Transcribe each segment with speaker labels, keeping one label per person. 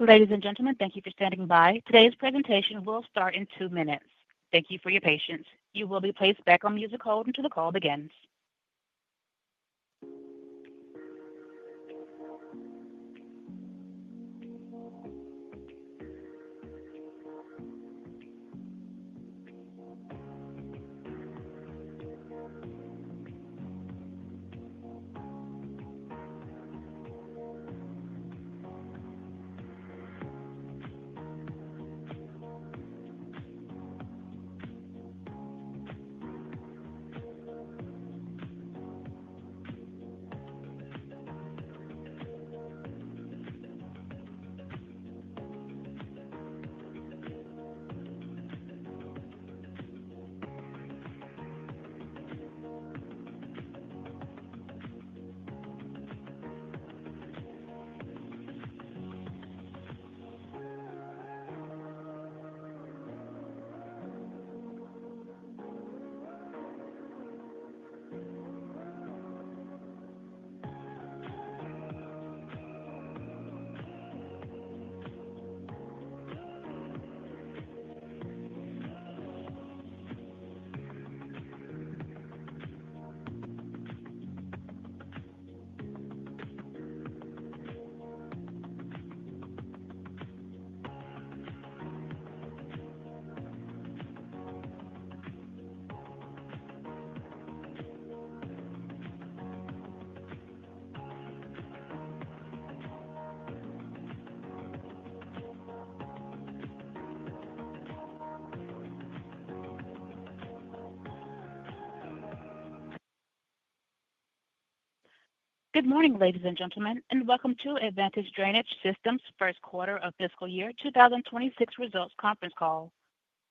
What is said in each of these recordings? Speaker 1: Ladies and gentlemen, thank you for standing by. Today's presentation will start in two minutes. Thank you for your patience. You will be placed back on music hold until the call begins. Good morning, ladies and gentlemen, and welcome to the Advanced Drainage Systems first quarter of fiscal year 2026 results conference call.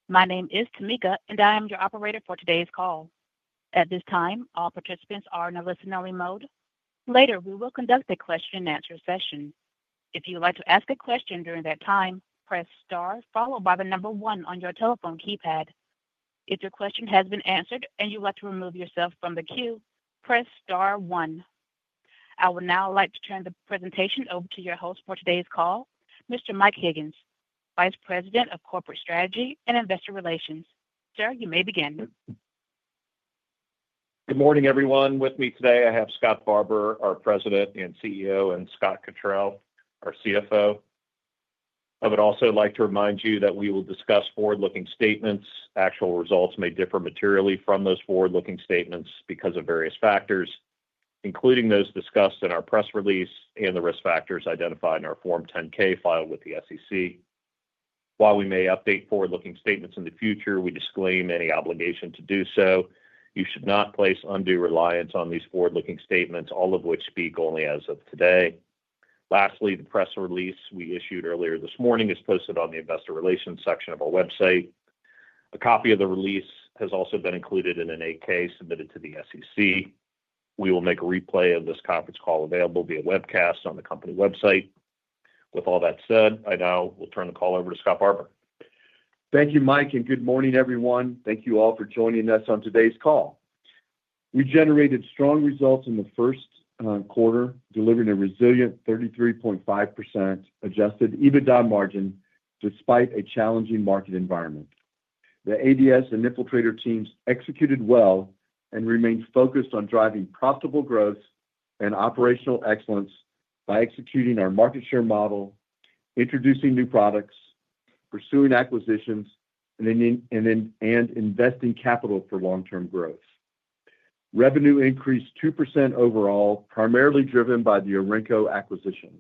Speaker 1: My name is Tamika, and I am your operator for today's call. At this time, all participants are in a listen-only mode. Later, we will conduct a question-and-answer session. If you would like to ask a question during that time, press star followed by the number one on your telephone keypad. If your question has been answered and you would like to remove yourself from the queue, press star one. I would now like to turn the presentation over to your host for today's call, Mr. Mike Higgins, Vice President of Corporate Strategy and Investor Relations. Sir, you may begin.
Speaker 2: Good morning, everyone. With me today, I have Scott Barbour, our President and CEO, and Scott Cottrill, our CFO. I would also like to remind you that we will discuss forward-looking statements. Actual results may differ materially from those forward-looking statements because of various factors, including those discussed in our press release and the risk factors identified in our Form 10-K filed with the SEC. While we may update forward-looking statements in the future, we disclaim any obligation to do so. You should not place undue reliance on these forward-looking statements, all of which speak only as of today. Lastly, the press release we issued earlier this morning is posted on the Investor Relations section of our website. A copy of the release has also been included in an 8-K submitted to the SEC. We will make a replay of this conference call available via webcast on the company website. With all that said, I now will turn the call over to Scott Barbour.
Speaker 3: Thank you, Mike, and good morning, everyone. Thank you all for joining us on today's call. We generated strong results in the first quarter, delivering a resilient 33.5% adjusted EBITDA margin despite a challenging market environment. The ADS and Infiltrator teams executed well and remained focused on driving profitable growth and operational excellence by executing our market share model, introducing new products, pursuing acquisitions, and investing capital for long-term growth. Revenue increased 2% overall, primarily driven by the Orenco acquisition.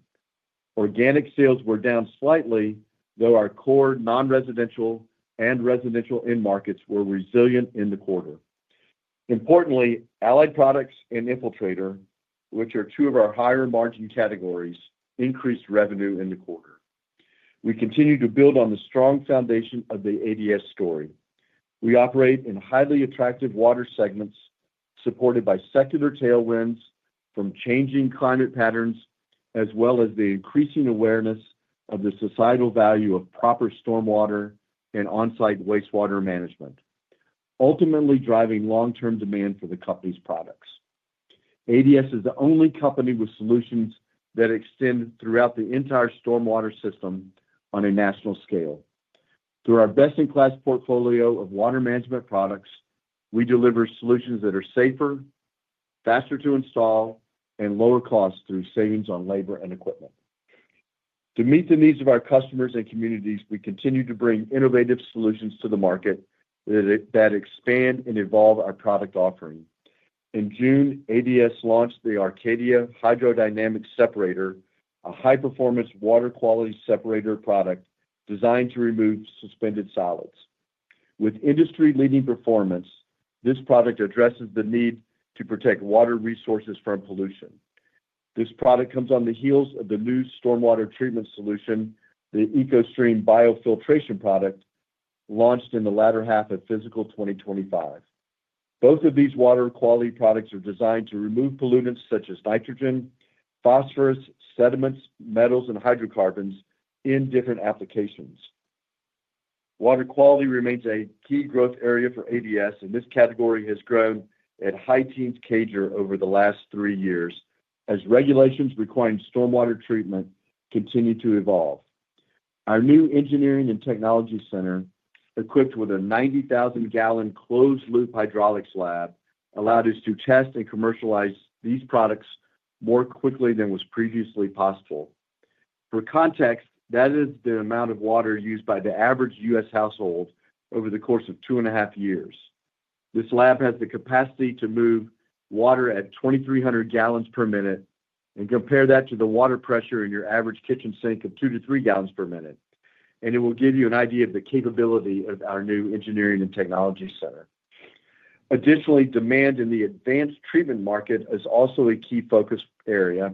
Speaker 3: Organic sales were down slightly, though our core non-residential and residential end markets were resilient in the quarter. Importantly, Allied products and Infiltrator, which are two of our higher margin categories, increased revenue in the quarter. We continue to build on the strong foundation of the ADS story. We operate in highly attractive water segments supported by secular tailwinds from changing climate patterns, as well as the increasing awareness of the societal value of proper stormwater and onsite wastewater management, ultimately driving long-term demand for the company's products. ADS is the only company with solutions that extend throughout the entire stormwater system on a national scale. Through our best-in-class portfolio of water management products, we deliver solutions that are safer, faster to install, and lower costs through savings on labor and equipment. To meet the needs of our customers and communities, we continue to bring innovative solutions to the market that expand and evolve our product offering. In June, ADS launched the Arcadia Hydrodynamic Separator, a high-performance water quality separator product designed to remove suspended solids. With industry-leading performance, this product addresses the need to protect water resources from pollution. This product comes on the heels of the new stormwater treatment solution, the EcoStream Biofiltration product, launched in the latter half of fiscal 2025. Both of these water quality products are designed to remove pollutants such as nitrogen, phosphorus, sediments, metals, and hydrocarbons in different applications. Water quality remains a key growth area for ADS, and this category has grown at high-teens CAGR over the last three years as regulations requiring stormwater treatment continue to evolve. Our new engineering and technology center, equipped with a 90,000 gal closed-loop hydraulics lab, allowed us to test and commercialize these products more quickly than was previously possible. For context, that is the amount of water used by the average U.S. household over the course of two and a half years. This lab has the capacity to move water at 2,300 gal per minute. Compare that to the water pressure in your average kitchen sink of two to three gallons per minute, and it will give you an idea of the capability of our new engineering and technology center. Additionally, demand in the advanced treatment market is also a key focus area,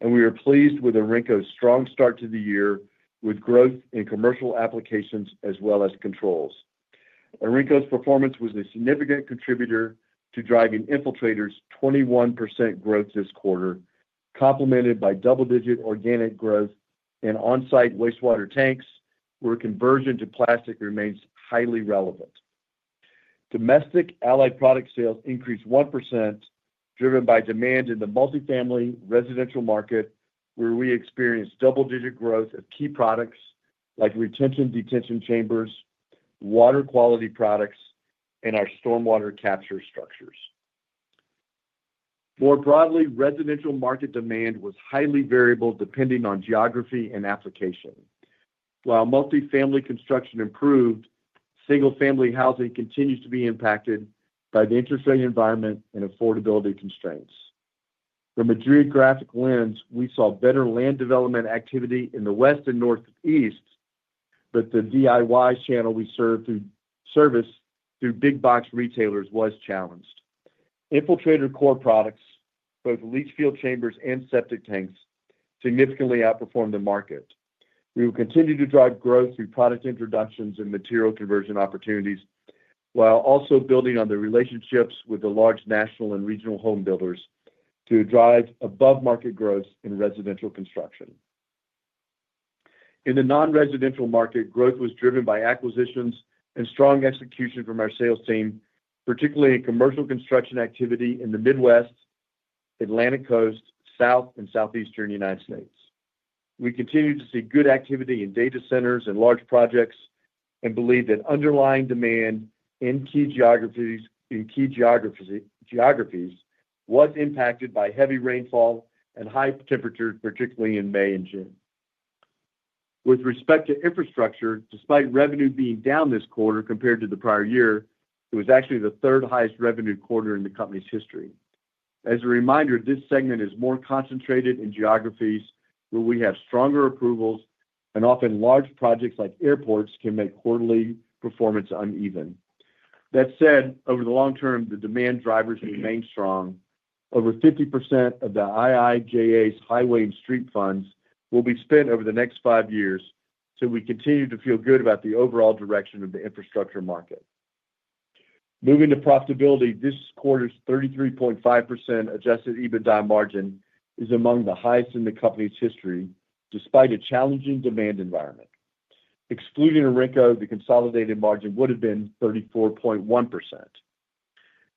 Speaker 3: and we are pleased with Orenco's strong start to the year with growth in commercial applications as well as controls. Orenco's performance was a significant contributor to driving infiltrators' 21% growth this quarter, complemented by double-digit organic growth in onsite wastewater tanks, where conversion to plastic remains highly relevant. Domestic Allied product sales increased 1%, driven by demand in the multifamily residential market, where we experienced double-digit growth of key products like retention detention chambers, water quality products, and our stormwater capture structures. More broadly, residential market demand was highly variable depending on geography and application. While multifamily construction improved, single-family housing continues to be impacted by the interest rate environment and affordability constraints. From a geographic lens, we saw better land development activity in the West and Northeast, but the DIY channel we service through big-box retailers was challenged. Infiltrator core products, both leach field chambers and septic tanks, significantly outperformed the market. We will continue to drive growth through product introductions and material conversion opportunities, while also building on the relationships with the large national and regional home builders to drive above-market growth in residential construction. In the non-residential market, growth was driven by acquisitions and strong execution from our sales team, particularly in commercial construction activity in the Midwest, Atlantic Coast, South, and Southeastern United States. We continue to see good activity in data centers and large projects and believe that underlying demand in key geographies was impacted by heavy rainfall and high temperatures, particularly in May and June. With respect to infrastructure, despite revenue being down this quarter compared to the prior year, it was actually the third highest revenue quarter in the company's history. As a reminder, this segment is more concentrated in geographies where we have stronger approvals and often large projects like airports can make quarterly performance uneven. That said, over the long term, the demand drivers remain strong. Over 50% of the IIJA's highway and street funds will be spent over the next five years, so we continue to feel good about the overall direction of the infrastructure market. Moving to profitability, this quarter's 33.5% adjusted EBITDA margin is among the highest in the company's history despite a challenging demand environment. Excluding Orenco, the consolidated margin would have been 34.1%.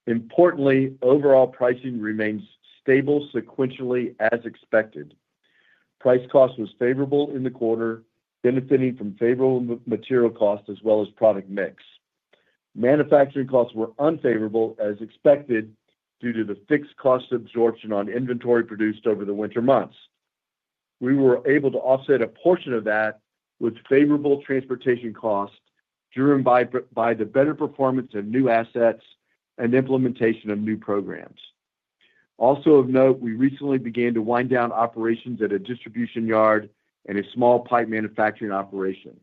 Speaker 3: Importantly, overall pricing remains stable sequentially as expected. Price-cost was favorable in the quarter, benefiting from favorable material costs as well as product mix. Manufacturing costs were unfavorable as expected due to the fixed cost absorption on inventory produced over the winter months. We were able to offset a portion of that with favorable transportation costs driven by the better performance of new assets and implementation of new programs. Also of note, we recently began to wind down operations at a distribution yard and a small pipe manufacturing operation.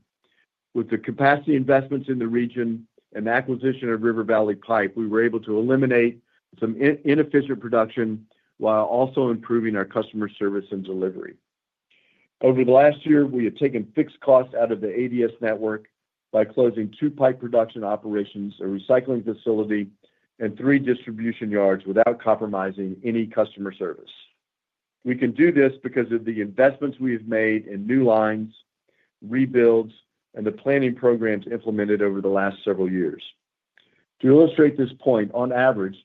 Speaker 3: With the capacity investments in the region and acquisition of River Valley Pipe, we were able to eliminate some inefficient production while also improving our customer service and delivery. Over the last year, we have taken fixed costs out of the ADS network by closing two pipe production operations, a recycling facility, and three distribution yards without compromising any customer service. We can do this because of the investments we have made in new lines, rebuilds, and the planning programs implemented over the last several years. To illustrate this point, on average,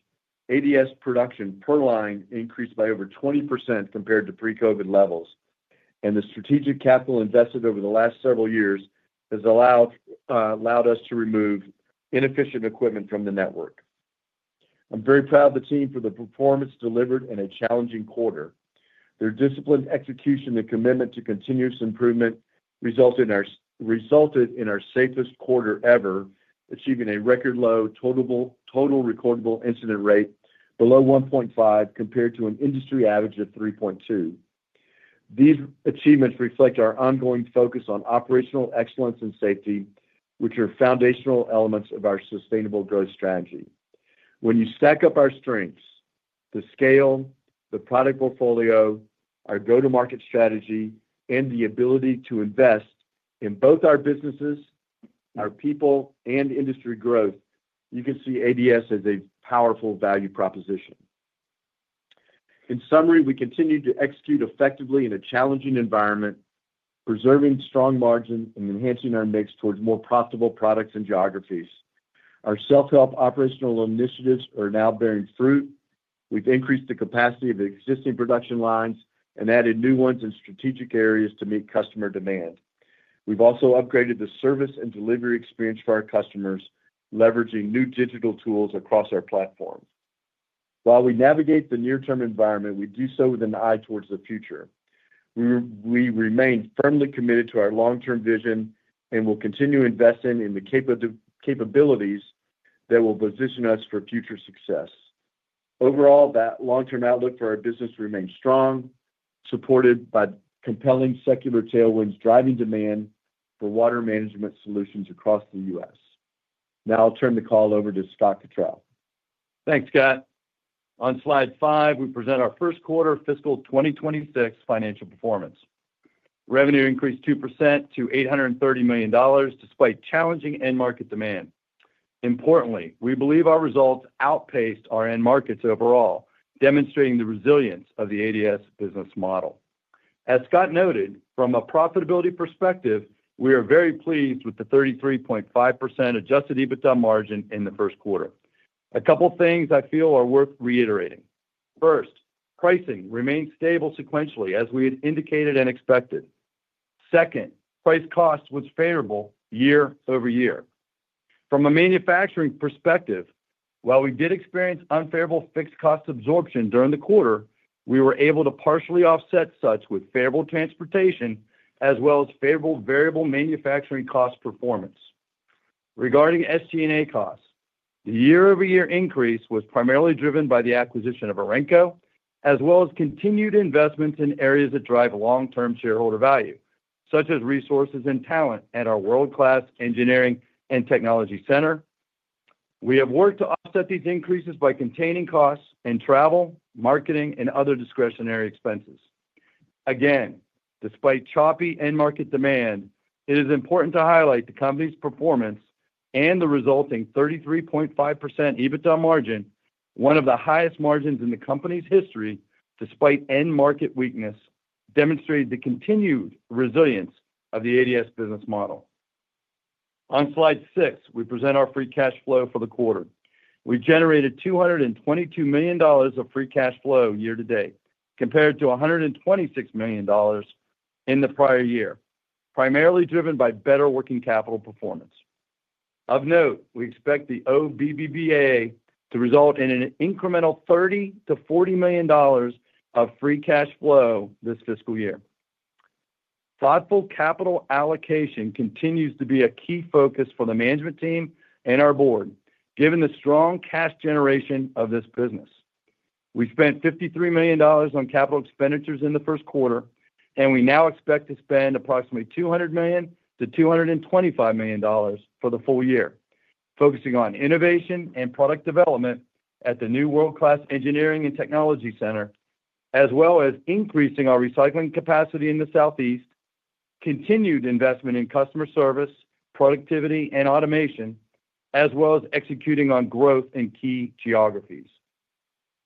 Speaker 3: ADS production per line increased by over 20% compared to pre-COVID levels, and the strategic capital invested over the last several years has allowed us to remove inefficient equipment from the network. I'm very proud of the team for the performance delivered in a challenging quarter. Their disciplined execution and commitment to continuous improvement resulted in our safest quarter ever, achieving a record low total recordable incident rate below 1.5 compared to an industry average of 3.2. These achievements reflect our ongoing focus on operational excellence and safety, which are foundational elements of our sustainable growth strategy. When you stack up our strengths, the scale, the product portfolio, our go-to-market strategy, and the ability to invest in both our businesses, our people, and industry growth, you can see ADS as a powerful value proposition. In summary, we continue to execute effectively in a challenging environment, preserving strong margin and enhancing our mix towards more profitable products and geographies. Our self-help operational initiatives are now bearing fruit. We've increased the capacity of the existing production lines and added new ones in strategic areas to meet customer demand. We've also upgraded the service and delivery experience for our customers, leveraging new digital tools across our platform. While we navigate the near-term environment, we do so with an eye towards the future. We remain firmly committed to our long-term vision and will continue investing in the capabilities that will position us for future success. Overall, that long-term outlook for our business remains strong, supported by compelling secular tailwinds driving demand for water management solutions across the U.S. Now I'll turn the call over to Scott Cottrill.
Speaker 4: Thanks, Scott. On slide five, we present our first quarter fiscal 2026 financial performance. Revenue increased 2% to $830 million despite challenging end market demand. Importantly, we believe our results outpaced our end markets overall, demonstrating the resilience of the ADS business model. As Scott noted, from a profitability perspective, we are very pleased with the 33.5% adjusted EBITDA margin in the first quarter. A couple of things I feel are worth reiterating. First, pricing remains stable sequentially as we had indicated and expected. Second, price-cost was favorable year over year. From a manufacturing perspective, while we did experience unfavorable fixed cost absorption during the quarter, we were able to partially offset such with favorable transportation as well as favorable variable manufacturing cost performance. Regarding SG&A costs, the year-over-year increase was primarily driven by the acquisition of Orenco, as well as continued investments in areas that drive long-term shareholder value, such as resources and talent at our world-class engineering and technology center. We have worked to offset these increases by containing costs in travel, marketing, and other discretionary expenses. Again, despite choppy end market demand, it is important to highlight the company's performance and the resulting 33.5% EBITDA margin, one of the highest margins in the company's history despite end market weakness, demonstrated the continued resilience of the ADS business model. On slide six, we present our free cash flow for the quarter. We generated $222 million of free cash flow year to date compared to $126 million in the prior year, primarily driven by better working capital performance. Of note, we expect the OBBBA to result in an incremental $30 to $40 million of free cash flow this fiscal year. Thoughtful capital allocation continues to be a key focus for the management team and our board, given the strong cash generation of this business. We spent $53 million on capital expenditures in the first quarter, and we now expect to spend approximately $200 million to $225 million for the full year, focusing on innovation and product development at the new world-class engineering and technology center, as well as increasing our recycling capacity in the Southeast, continued investment in customer service, productivity, and automation, as well as executing on growth in key geographies.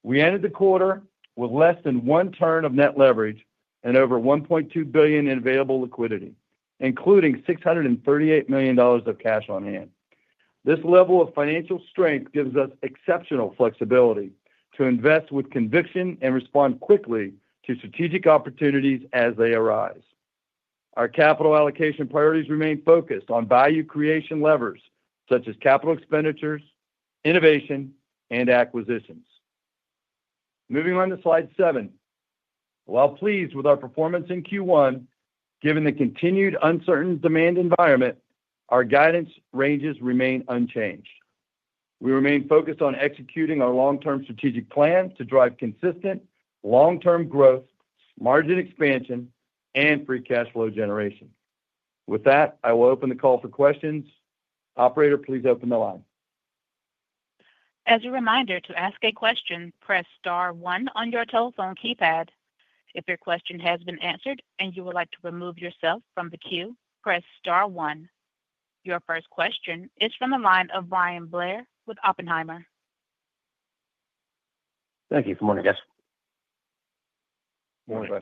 Speaker 4: We ended the quarter with less than one turn of net leverage and over $1.2 billion in available liquidity, including $638 million of cash on hand. This level of financial strength gives us exceptional flexibility to invest with conviction and respond quickly to strategic opportunities as they arise. Our capital allocation priorities remain focused on value creation levers such as capital expenditures, innovation, and acquisitions. Moving on to slide seven, while pleased with our performance in Q1, given the continued uncertain demand environment, our guidance ranges remain unchanged. We remain focused on executing our long-term strategic plans to drive consistent long-term growth, margin expansion, and free cash flow generation. With that, I will open the call for questions. Operator, please open the line.
Speaker 1: As a reminder, to ask a question, press star one on your telephone keypad. If your question has been answered and you would like to remove yourself from the queue, press star one. Your first question is from the line of Bryan Blair with Oppenheimer.
Speaker 5: Thank you. Good morning, guys.
Speaker 4: Morning.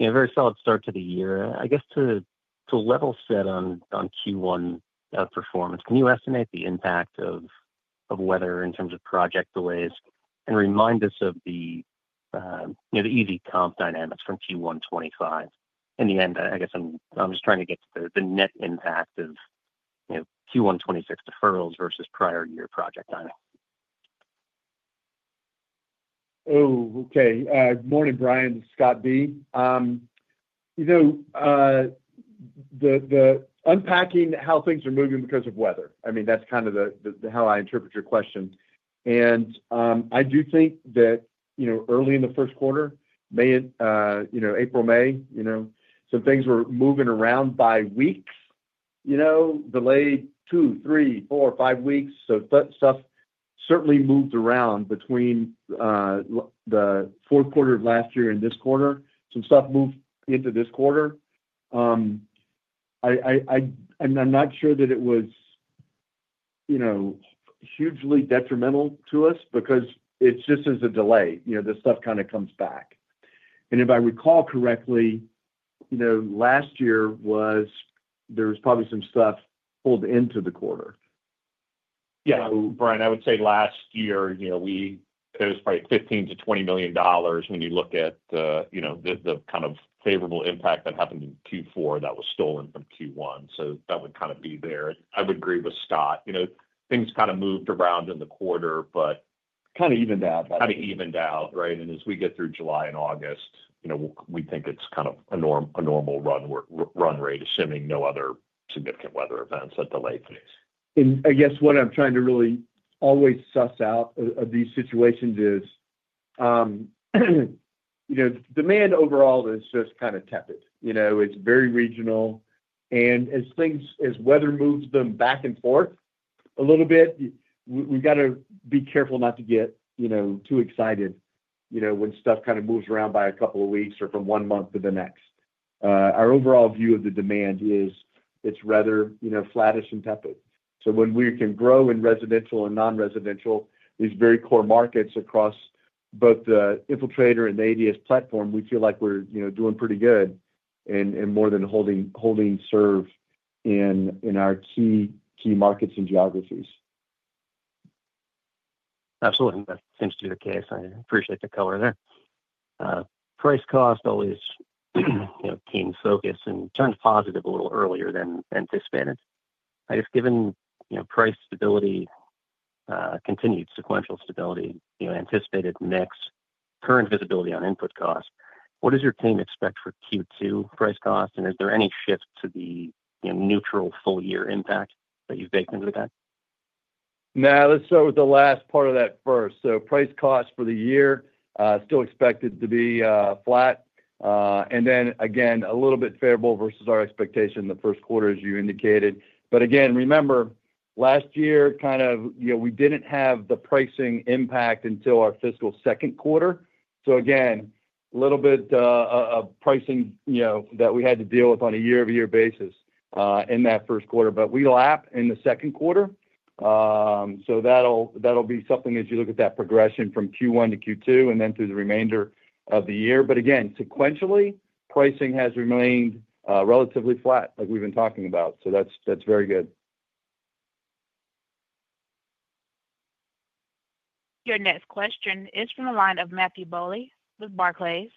Speaker 5: Very solid start to the year. To level set on Q1 performance, can you estimate the impact of weather in terms of project delays and remind us of the easy comp dynamics from Q1 2025? In the end, I'm just trying to get to the net impact of Q1 2026 deferrals versus prior year project timing.
Speaker 3: Oh, okay. Morning, Bryan. Scott B. You know, the unpacking how things are moving because of weather. I mean, that's kind of how I interpret your question. I do think that, you know, early in the first quarter, you know, April, May, some things were moving around by weeks, delayed two, three, four, five weeks. Stuff certainly moved around between the fourth quarter of last year and this quarter. Some stuff moved into this quarter. I'm not sure that it was, you know, hugely detrimental to us because it's just there's a delay. This stuff kind of comes back. If I recall correctly, last year there was probably some stuff pulled into the quarter.
Speaker 2: Yeah. Bryan, I would say last year, it was probably $15 million-$20 million when you look at the kind of favorable impact that happened in Q4 that was stolen from Q1. That would kind of be there. I would agree with Scott. Things kind of moved around in the quarter, but. Kind of evened out. That's it. Kind of evened out, right? As we get through July and August, you know, we think it's kind of a normal run rate, assuming no other significant weather events that delay things.
Speaker 3: What I'm trying to really always suss out of these situations is, you know, demand overall is just kind of tepid. It's very regional, and as weather moves them back and forth a little bit, we've got to be careful not to get too excited when stuff kind of moves around by a couple of weeks or from one month to the next. Our overall view of the demand is it's rather flattish and tepid. When we can grow in residential and non-residential, these very core markets across both the Infiltrator and the ADS platform, we feel like we're doing pretty good and more than holding serve in our key markets and geographies.
Speaker 5: Absolutely. That seems to be the case. I appreciate the color there. Price-cost always, you know, team's focus and trying to positive a little earlier than anticipated. I guess given, you know, price stability, continued sequential stability, you know, anticipated mix, current visibility on input costs, what does your team expect for Q2 price-cost? Is there any shift to the, you know, neutral full-year impact that you've baked into that?
Speaker 3: Let's start with the last part of that first. Price-costs for the year are still expected to be flat, and then again, a little bit favorable versus our expectation in the first quarter as you indicated. Remember last year, we didn't have the pricing impact until our fiscal second quarter. A little bit of pricing that we had to deal with on a year-over-year basis in that first quarter, but we lapped in the second quarter. That will be something as you look at that progression from Q1 to Q2 and then through the remainder of the year. Sequentially, pricing has remained relatively flat like we've been talking about. That's very good.
Speaker 1: Your next question is from the line of Matthew Bouley with Barclays.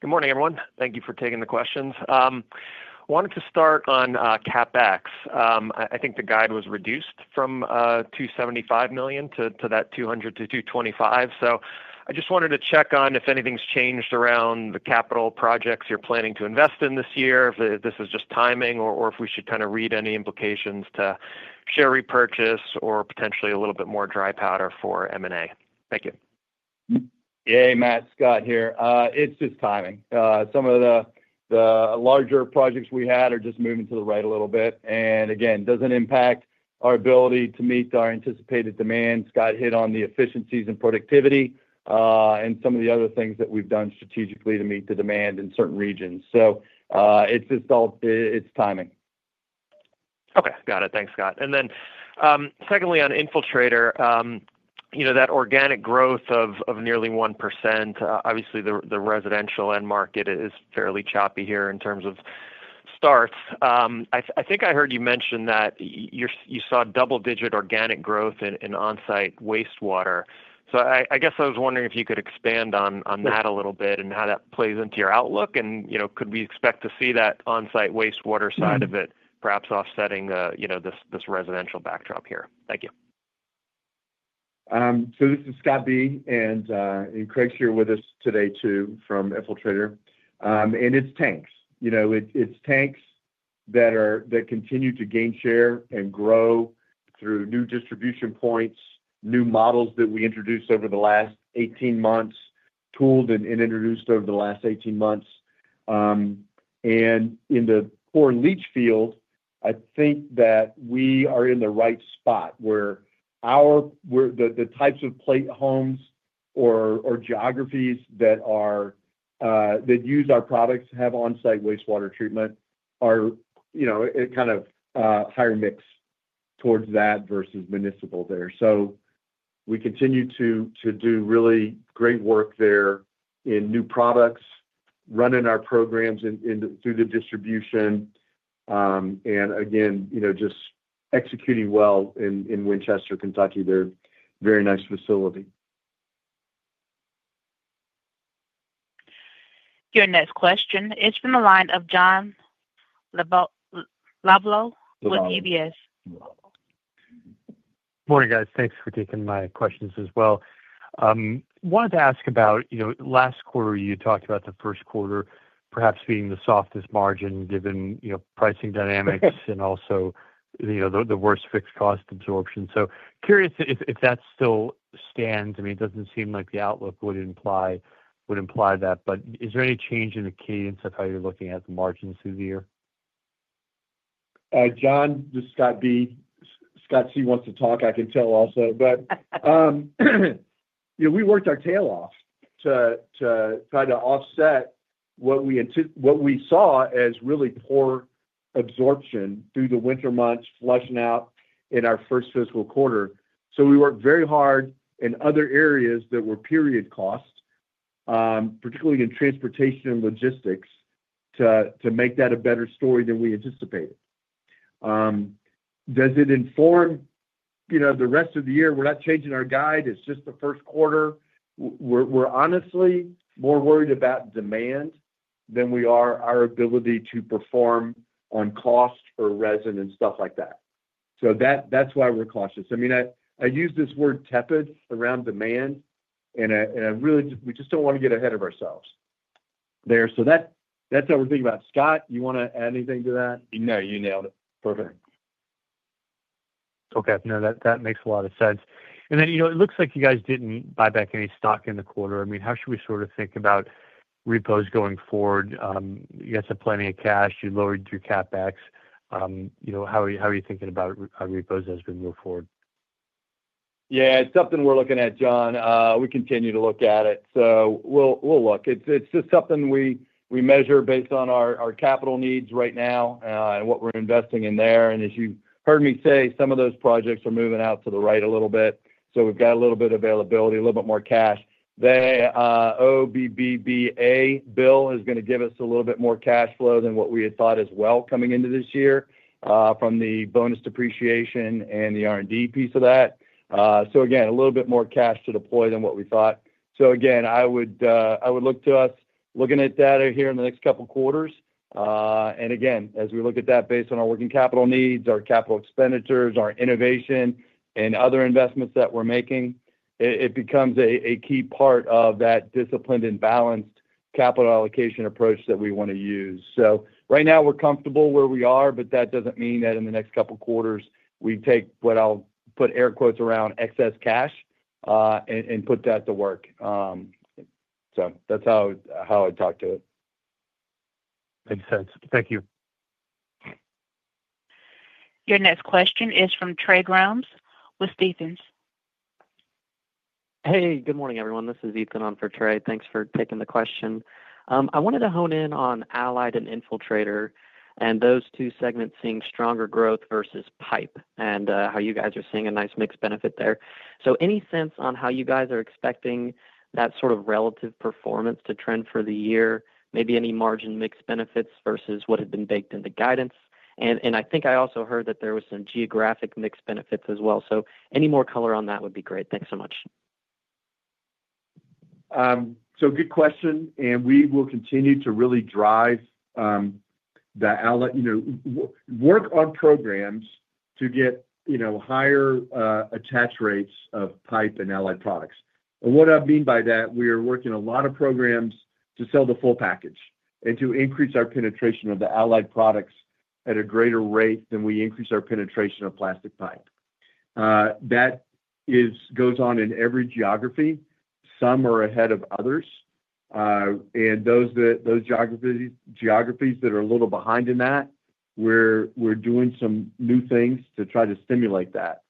Speaker 6: Good morning, everyone. Thank you for taking the questions. I wanted to start on CapEx. I think the guide was reduced from $275 million to that $200 million-$225 million. I just wanted to check on if anything's changed around the capital projects you're planning to invest in this year, if this is just timing, or if we should kind of read any implications to share repurchase or potentially a little bit more dry powder for M&A. Thank you.
Speaker 4: Yeah, hey, Matt. Scott here. It's just timing. Some of the larger projects we had are just moving to the right a little bit. It doesn't impact our ability to meet our anticipated demand. Scott hit on the efficiencies and productivity, and some of the other things that we've done strategically to meet the demand in certain regions. It's just all timing.
Speaker 6: Okay. Got it. Thanks, Scott. Secondly, on Infiltrator, you know, that organic growth of nearly 1%, obviously, the residential end market is fairly choppy here in terms of starts. I think I heard you mention that you saw double-digit organic growth in onsite septic wastewater solutions. I guess I was wondering if you could expand on that a little bit and how that plays into your outlook. You know, could we expect to see that onsite septic wastewater solutions side of it perhaps offsetting this residential backdrop here? Thank you.
Speaker 3: It's Scott B. and Craig is here with us today too from Infiltrator. It's tanks. It's tanks that continue to gain share and grow through new distribution points, new models that we introduced over the last 18 months, pooled and introduced over the last 18 months. In the core and leach field, I think that we are in the right spot where the types of plate homes or geographies that use our products have onsite septic wastewater solutions. It kind of has a higher mix towards that versus municipal there. We continue to do really great work there in new products, running our programs in through the distribution, and again, just executing well in Winchester, Kentucky, their very nice facility.
Speaker 1: Your next question is from the line of John Lovallo with UBS.
Speaker 7: Morning, guys. Thanks for taking my questions as well. I wanted to ask about, you know, last quarter, you talked about the first quarter perhaps being the softest margin given, you know, pricing dynamics and also, you know, the worst fixed cost absorption. Curious if that still stands. I mean, it doesn't seem like the outlook would imply that. Is there any change in the cadence of how you're looking at the margins through the year?
Speaker 3: John, this is Scott B. Scott C. wants to talk. I can tell also. We worked our tail off to try to offset what we saw as really poor absorption through the winter months flushing out in our first fiscal quarter. We worked very hard in other areas that were period costs, particularly in transportation and logistics, to make that a better story than we anticipated. Does it inform the rest of the year? We're not changing our guide. It's just the first quarter. We're honestly more worried about demand than we are our ability to perform on cost or resin and stuff like that. That's why we're cautious. I use this word tepid around demand, and we just don't want to get ahead of ourselves there. That's how we're thinking about it. Scott, you want to add anything to that?
Speaker 4: No, you nailed it. Perfect.
Speaker 7: Okay. That makes a lot of sense. It looks like you guys didn't buy back any stock in the quarter. I mean, how should we sort of think about repos going forward? You guys have plenty of cash. You lowered through CapEx. How are you thinking about repos as we move forward?
Speaker 3: Yeah, it's something we're looking at, John. We continue to look at it. It's just something we measure based on our capital needs right now and what we're investing in there. As you heard me say, some of those projects are moving out to the right a little bit. We've got a little bit of availability, a little bit more cash. The OBBBA bill is going to give us a little bit more cash flow than what we had thought as well coming into this year, from the bonus depreciation and the R&D piece of that. Again, a little bit more cash to deploy than what we thought. I would look to us looking at data here in the next couple of quarters. As we look at that based on our working capital needs, our capital expenditures, our innovation, and other investments that we're making, it becomes a key part of that disciplined and balanced capital allocation approach that we want to use. Right now, we're comfortable where we are, but that doesn't mean that in the next couple of quarters, we take what I'll put air quotes around excess cash, and put that to work. That's how I would talk to it.
Speaker 7: Makes sense. Thank you.
Speaker 1: Your next question is from Trey Grooms with Stephens.
Speaker 8: Hey, good morning, everyone. This is Ethan on for Trey. Thanks for taking the question. I wanted to hone in on Allied and Infiltrator and those two segments seeing stronger growth versus Pipe and how you guys are seeing a nice mixed benefit there. Any sense on how you guys are expecting that sort of relative performance to trend for the year, maybe any margin mixed benefits versus what had been baked into guidance? I think I also heard that there were some geographic mixed benefits as well. Any more color on that would be great. Thanks so much.
Speaker 3: Good question. We will continue to really drive the outlet, work on programs to get higher attach rates of Pipe and Allied products. What I mean by that is we are working a lot of programs to sell the full package and to increase our penetration of the Allied products at a greater rate than we increase our penetration of plastic pipe. That goes on in every geography. Some are ahead of others, and those geographies that are a little behind in that, we're doing some new things to try to stimulate that.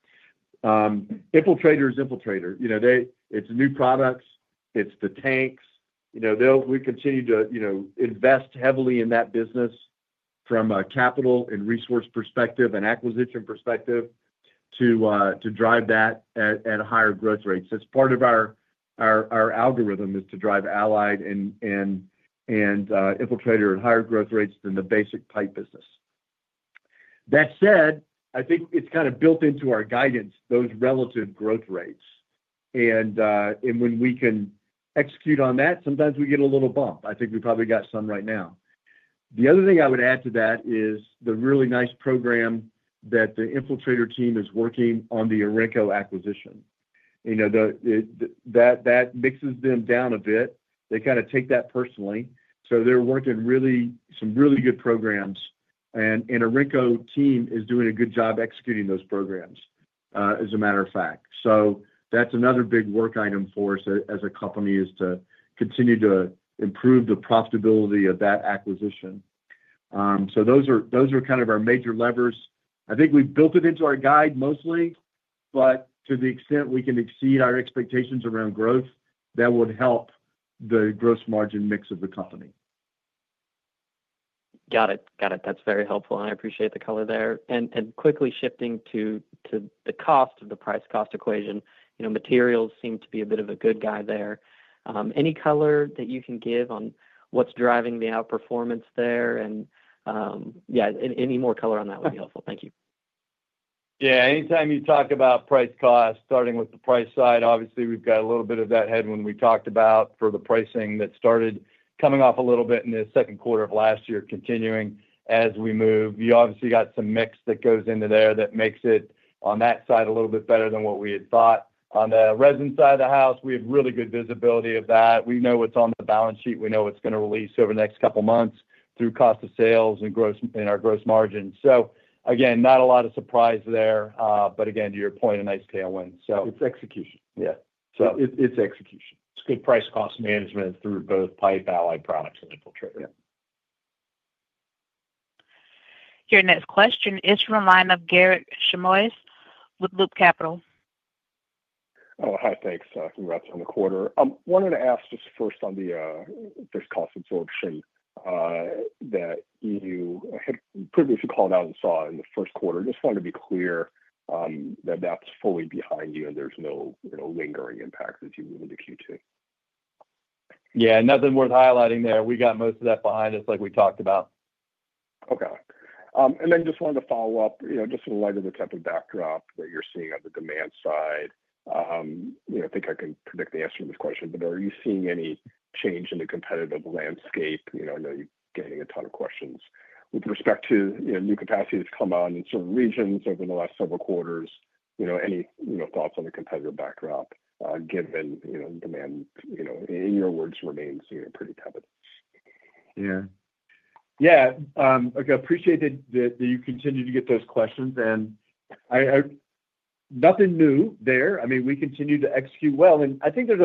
Speaker 3: Infiltrator, you know, it's new products. It's the tanks. We continue to invest heavily in that business from a capital and resource perspective and acquisition perspective to drive that at higher growth rates. It's part of our algorithm to drive Allied and Infiltrator at higher growth rates than the basic pipe business. That said, I think it's kind of built into our guidance, those relative growth rates. When we can execute on that, sometimes we get a little bump. I think we probably got some right now. The other thing I would add to that is the really nice program that the Infiltrator team is working on with the Orenco acquisition. That mixes them down a bit. They kind of take that personally, so they're working some really good programs. The Orenco team is doing a good job executing those programs, as a matter of fact. That's another big work item for us as a company, to continue to improve the profitability of that acquisition. Those are kind of our major levers. I think we built it into our guide mostly, but to the extent we can exceed our expectations around growth, that would help the gross margin mix of the company.
Speaker 8: Got it. That's very helpful. I appreciate the color there. Quickly shifting to the cost of the price-cost equation, you know, materials seem to be a bit of a good guy there. Any color that you can give on what's driving the outperformance there? Any more color on that would be helpful. Thank you.
Speaker 4: Anytime you talk about price-cost, starting with the price side, obviously, we've got a little bit of that headwind we talked about for the pricing that started coming off a little bit in the second quarter of last year, continuing as we move. You obviously got some mix that goes into there that makes it on that side a little bit better than what we had thought. On the resin side of the house, we have really good visibility of that. We know what's on the balance sheet. We know what's going to release over the next couple of months through cost of sales and in our gross margins. Again, not a lot of surprise there. To your point, a nice tailwind.
Speaker 2: It's execution. It's good price-cost management through both Pipe, Allied products, and Infiltrator.
Speaker 4: Yeah.
Speaker 1: Your next question is from the line of Garik Shmois with Loop Capital.
Speaker 9: Thanks. I can wrap some of the quarter. I wanted to ask just first on the, if there's cost absorption that you had previously called out and saw in the first quarter. Just wanted to be clear that that's fully behind you and there's no lingering impact as you move into Q2.
Speaker 4: Yeah, nothing worth highlighting there. We got most of that behind us, like we talked about.
Speaker 9: Okay, I just wanted to follow up, just in light of the type of backdrop that you're seeing on the demand side. I think I can predict the answer to this question, but are you seeing any change in the competitive landscape? I know you're getting a ton of questions with respect to new capacity that's come on in certain regions over the last several quarters. Any thoughts on the competitive backdrop, given the demand, in your words, remains pretty tepid.
Speaker 3: Yeah, okay. I appreciate that you continue to get those questions. Nothing new there. I mean, we continue to execute well. I think there's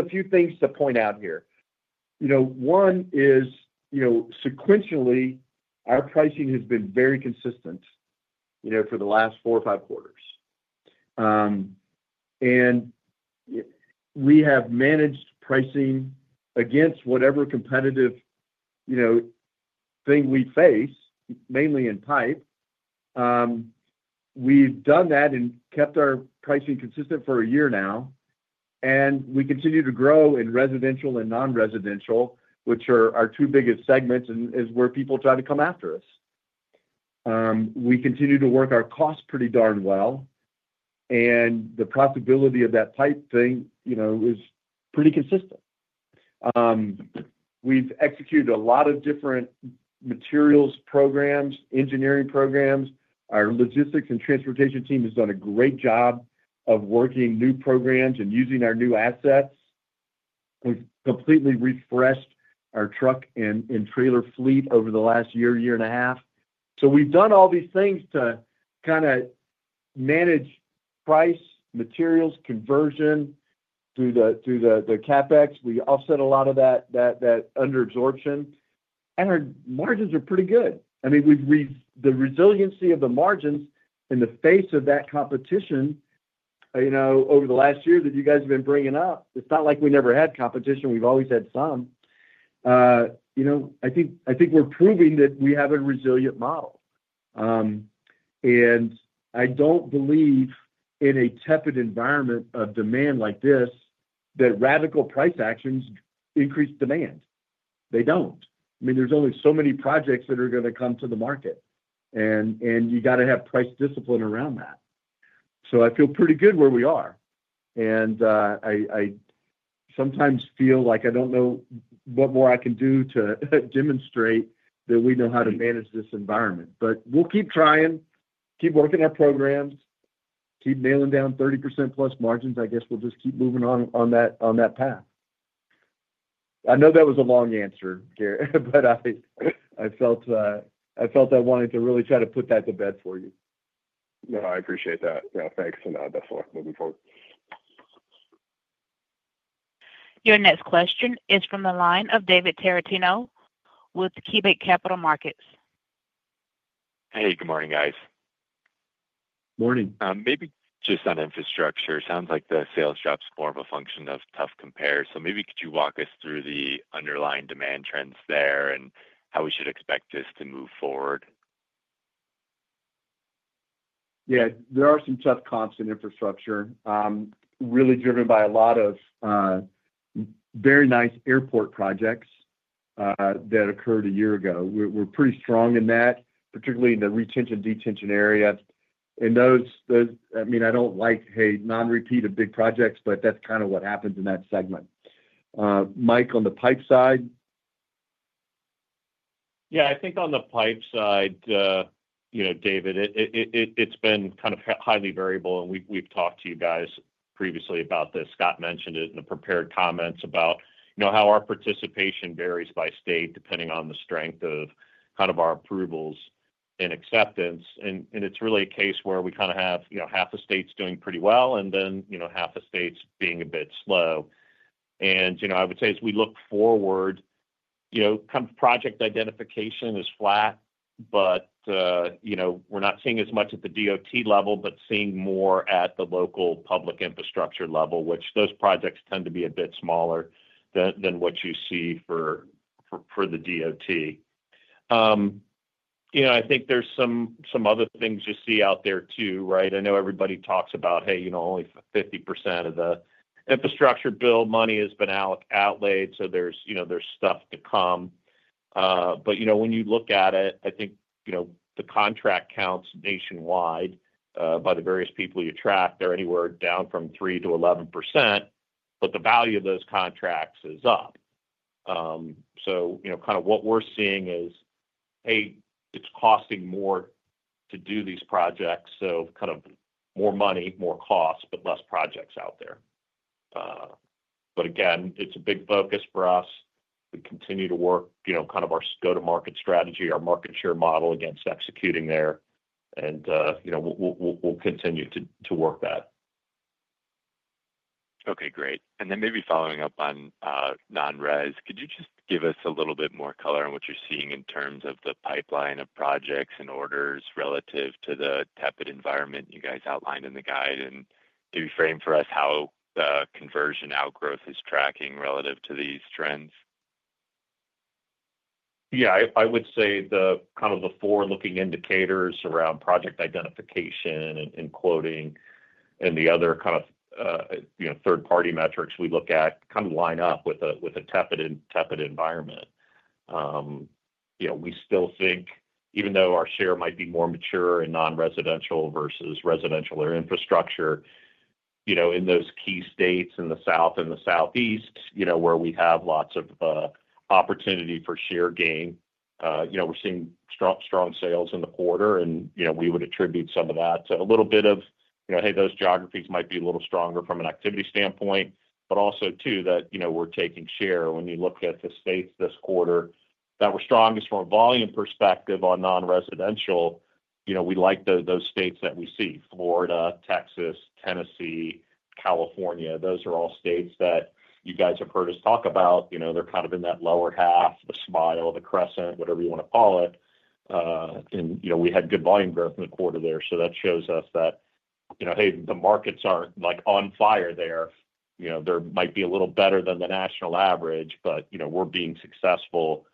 Speaker 3: a few things to point out here. One is, sequentially, our pricing has been very consistent for the last four or five quarters. We have managed pricing against whatever competitive thing we face, mainly in Pipe. We've done that and kept our pricing consistent for a year now. We continue to grow in residential and non-residential, which are our two biggest segments and is where people try to come after us. We continue to work our costs pretty darn well. The profitability of that pipe thing is pretty consistent. We've executed a lot of different materials programs, engineering programs. Our logistics and transportation team has done a great job of working new programs and using our new assets. We've completely refreshed our truck and trailer fleet over the last year, year and a half. We've done all these things to kind of manage price, materials, conversion through the CapEx. We offset a lot of that underabsorption. Our margins are pretty good. The resiliency of the margins in the face of that competition over the last year that you guys have been bringing up, it's not like we never had competition. We've always had some. I think we're proving that we have a resilient model. I don't believe in a tepid environment of demand like this that radical price actions increase demand. They don't. There's only so many projects that are going to come to the market. You got to have price discipline around that. I feel pretty good where we are. I sometimes feel like I don't know what more I can do to demonstrate that we know how to manage this environment. We'll keep trying, keep working our programs, keep nailing down 30% plus margins. I guess we'll just keep moving on that path. I know that was a long answer, Garik, but I felt I wanted to really try to put that to bed for you.
Speaker 9: No, I appreciate that. Yeah, thanks. I definitely look forward to moving forward.
Speaker 1: Your next question is from the line of David Tarantino with KeyBanc Capital Markets.
Speaker 10: Hey, good morning, guys.
Speaker 3: Morning.
Speaker 10: Maybe just on infrastructure. It sounds like the sales jobs form a function of tough compare. Could you walk us through the underlying demand trends there and how we should expect this to move forward?
Speaker 3: Yeah, there are some tough comps in infrastructure, really driven by a lot of very nice airport projects that occurred a year ago. We're pretty strong in that, particularly in the retention/detention area. I don't like, hey, non-repeat of big projects, but that's kind of what happens in that segment. Mike, on the Pipe side?
Speaker 2: Yeah, I think on the Pipe side, you know, David, it's been kind of highly variable. We've talked to you guys previously about this. Scott mentioned it in the prepared comments about how our participation varies by state depending on the strength of our approvals and acceptance. It's really a case where we have half the states doing pretty well and then half the states being a bit slow. I would say as we look forward, project identification is flat, but we're not seeing as much at the DOT level, but seeing more at the local public infrastructure level, which those projects tend to be a bit smaller than what you see for the DOT. I think there are some other things you see out there too, right? I know everybody talks about, hey, only 50% of the infrastructure bill money has been outlaid, so there's stuff to come. When you look at it, I think the contract counts nationwide by the various people you track, they're anywhere down from 3%-11%, but the value of those contracts is up. What we're seeing is, hey, it's costing more to do these projects. More money, more cost, but fewer projects out there. Again, it's a big focus for us. We continue to work our go-to-market strategy, our market share model against executing there. We'll continue to work that.
Speaker 10: Okay, great. Maybe following up on non-res, could you just give us a little bit more color on what you're seeing in terms of the pipeline of projects and orders relative to the tepid environment you guys outlined in the guide, and maybe frame for us how the conversion outgrowth is tracking relative to these trends?
Speaker 2: Yeah, I would say the kind of the forward-looking indicators around project identification and quoting and the other kind of third-party metrics we look at line up with a tepid environment. We still think even though our share might be more mature in non-residential versus residential or infrastructure, in those key states in the South and the Southeast, where we have lots of opportunity for share gain, we're seeing strong sales in the quarter. We would attribute some of that to a little bit of, hey, those geographies might be a little stronger from an activity standpoint, but also that we're taking share. When you look at the states this quarter that were strongest from a volume perspective on non-residential, we like those states that we see: Florida, Texas, Tennessee, California. Those are all states that you guys have heard us talk about. They're kind of in that lower half, the smile, the crescent, whatever you want to call it, and we had good volume growth in the quarter there. That shows us that the markets are on fire there. They might be a little better than the national average, but we're being successful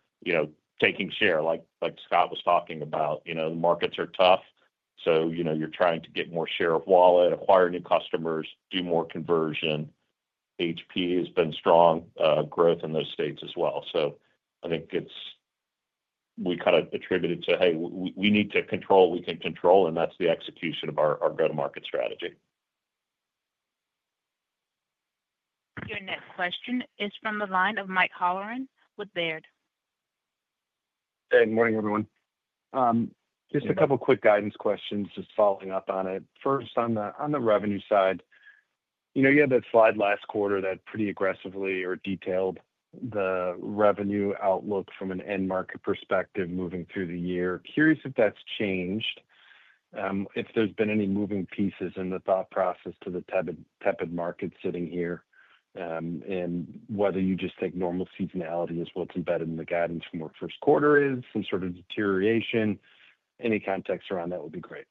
Speaker 2: taking share like Scott was talking about. The markets are tough. You're trying to get more share of wallet, acquire new customers, do more conversion. HP has been strong growth in those states as well. I think we kind of attribute it to, hey, we need to control what we can control, and that's the execution of our go-to-market strategy.
Speaker 1: Your next question is from the line of Mike Halloran with Baird.
Speaker 11: Good morning, everyone. Just a couple of quick guidance questions, just following up on it. First, on the revenue side, you had that slide last quarter that pretty aggressively detailed the revenue outlook from an end market perspective moving through the year. Curious if that's changed, if there's been any moving pieces in the thought process to the tepid market sitting here, and whether you just think normal seasonality is what's embedded in the guidance from our first quarter or some sort of deterioration. Any context around that would be great.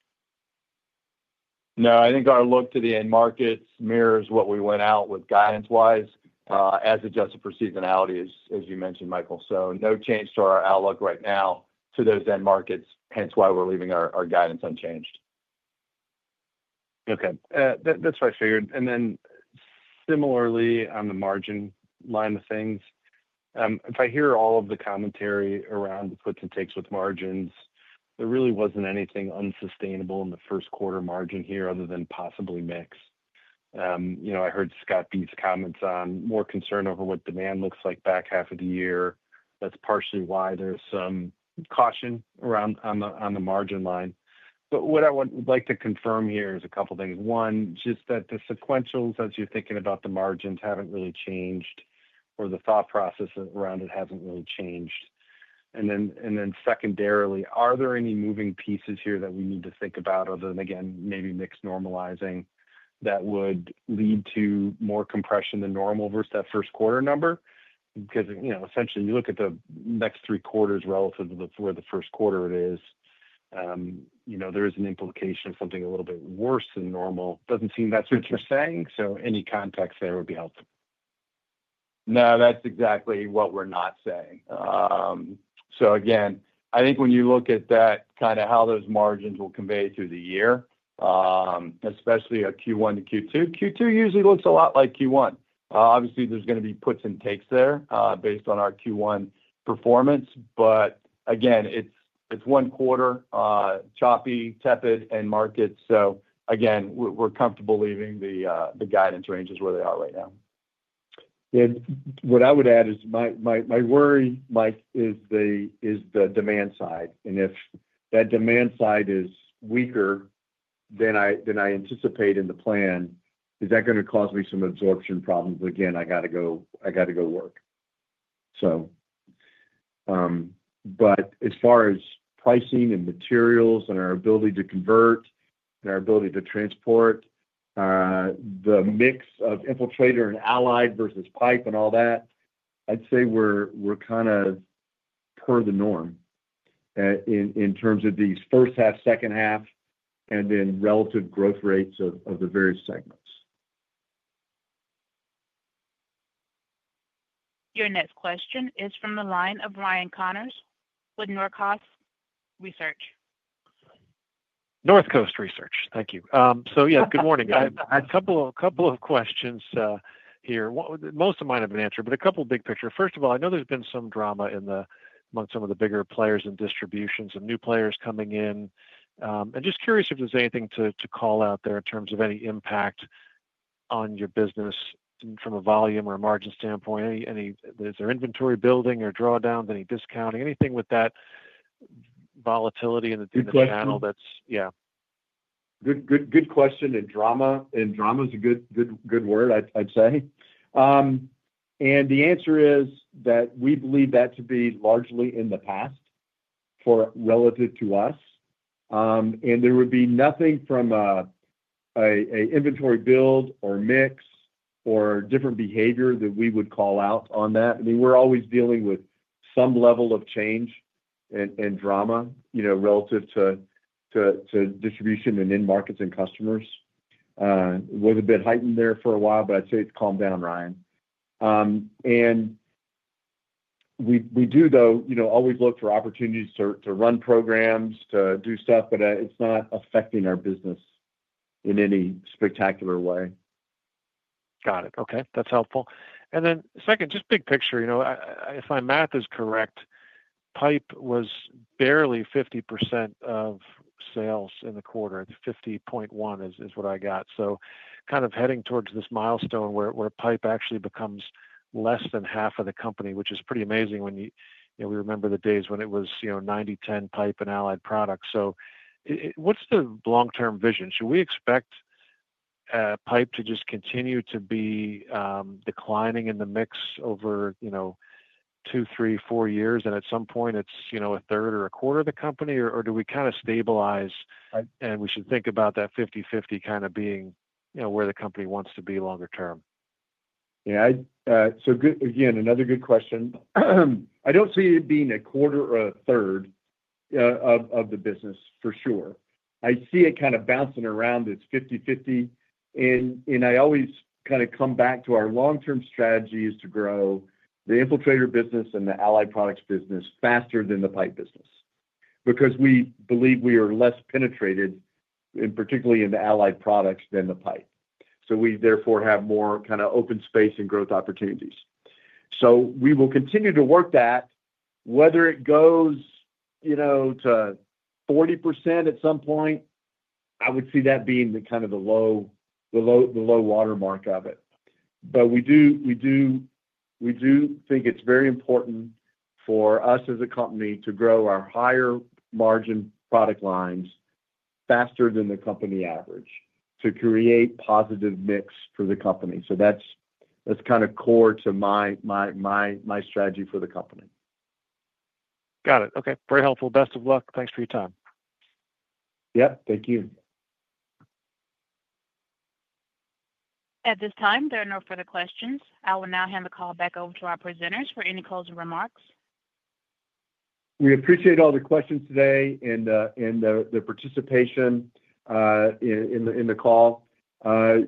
Speaker 4: No, I think our look to the end markets mirrors what we went out with guidance-wise, as adjusted for seasonality, as you mentioned, Michael. There is no change to our outlook right now to those end markets, which is why we're leaving our guidance unchanged.
Speaker 11: Okay. That's what I figured. Similarly, on the margin line of things, if I hear all of the commentary around the puts and takes with margins, there really wasn't anything unsustainable in the first quarter margin here other than possibly mix. I heard Scott B.'s comments on more concern over what demand looks like back half of the year. That's partially why there's some caution around the margin line. What I would like to confirm here is a couple of things. One, just that the sequentials, as you're thinking about the margins, haven't really changed or the thought process around it hasn't really changed. Secondarily, are there any moving pieces here that we need to think about other than, again, maybe mix normalizing that would lead to more compression than normal versus that first quarter number? Essentially, you look at the next three quarters relative to where the first quarter is, there is an implication of something a little bit worse than normal. It doesn't seem that's what you're saying. Any context there would be helpful.
Speaker 4: No, that's exactly what we're not saying. Again, I think when you look at that, kind of how those margins will convey through the year, especially Q1 to Q2. Q2 usually looks a lot like Q1. Obviously, there's going to be puts and takes there, based on our Q1 performance. Again, it's one quarter, choppy, tepid end markets. We're comfortable leaving the guidance ranges where they are right now.
Speaker 3: Yeah. What I would add is my worry, Mike, is the demand side. If that demand side is weaker than I anticipate in the plan, is that going to cause me some absorption problems? I got to go work. As far as pricing and materials and our ability to convert and our ability to transport, the mix of Infiltrator and Allied versus Pipe and all that, I'd say we're kind of per the norm, in terms of these first half, second half, and then relative growth rates of the various segments.
Speaker 1: Your next question is from the line of Ryan Connors with Northcoast Research.
Speaker 12: Thank you. Good morning. I had a couple of questions here. Most of mine have been answered, but a couple of big pictures. First of all, I know there's been some drama among some of the bigger players in distributions and new players coming in. I'm just curious if there's anything to call out there in terms of any impact on your business from a volume or a margin standpoint. Is there inventory building or drawdowns, any discounting, anything with that volatility in the panel?
Speaker 3: Good question. Drama is a good word, I'd say. The answer is that we believe that to be largely in the past relative to us. There would be nothing from an inventory build or mix or different behavior that we would call out on that. We're always dealing with some level of change and drama, you know, relative to distribution and end markets and customers. It was a bit heightened there for a while, but I'd say it's calmed down, Ryan. We do, though, always look for opportunities to run programs, to do stuff, but it's not affecting our business in any spectacular way.
Speaker 12: Got it. Okay. That's helpful. Just big picture, you know, if my math is correct, Pipe was barely 50% of sales in the quarter. It's 50.1% is what I got. Kind of heading towards this milestone where Pipe actually becomes less than half of the company, which is pretty amazing when you, you know, we remember the days when it was, you know, 90/10 Pipe and Allied products. What's the long-term vision? Should we expect Pipe to just continue to be declining in the mix over, you know, two, three, four years, and at some point, it's, you know, a third or a quarter of the company, or do we kind of stabilize and we should think about that 50/50 kind of being, you know, where the company wants to be longer term?
Speaker 3: Yeah, good. Again, another good question. I don't see it being a quarter or a third of the business for sure. I see it kind of bouncing around. It's 50/50. I always kind of come back to our long-term strategy is to grow the Infiltrator business and the Allied products business faster than the Pipe business because we believe we are less penetrated, particularly in the Allied products than the Pipe. We therefore have more kind of open space and growth opportunities. We will continue to work that. Whether it goes to 40% at some point, I would see that being the low watermark of it. We do think it's very important for us as a company to grow our higher margin product lines faster than the company average to create positive mix for the company. That's kind of core to my strategy for the company.
Speaker 12: Got it. Okay. Very helpful. Best of luck. Thanks for your time.
Speaker 3: Thank you.
Speaker 1: At this time, there are no further questions. I will now hand the call back over to our presenters for any closing remarks.
Speaker 3: We appreciate all the questions today and the participation in the call.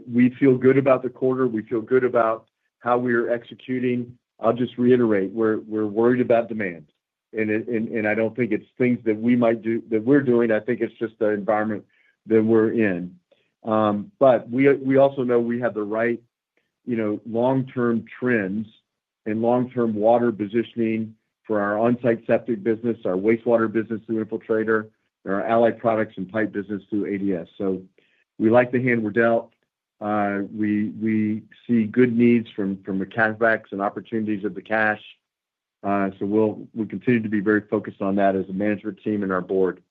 Speaker 3: We feel good about the quarter. We feel good about how we're executing. I'll just reiterate, we're worried about demand. I don't think it's things that we might do that we're doing. I think it's just the environment that we're in. We also know we have the right long-term trends and long-term water positioning for our onsite septic business, our wastewater business through Infiltrator, and our Allied products and Pipe business through ADS. We like the hand we're dealt. We see good needs from the CapEx and opportunities of the cash. We'll continue to be very focused on that as a management team and our board.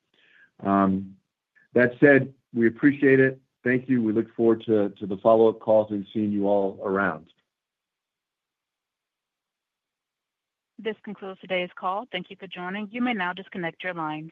Speaker 3: That said, we appreciate it. Thank you. We look forward to the follow-up calls and seeing you all around.
Speaker 1: This concludes today's call. Thank you for joining. You may now disconnect your lines.